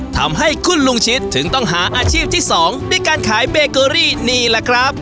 ทำให้คุณลุงชิดถึงต้องหาอาชีพที่๒ด้วยการขายเบเกอรี่นี่แหละครับ